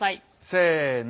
せの。